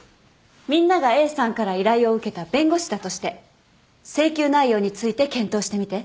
みんながＡさんから依頼を受けた弁護士だとして請求内容について検討してみて。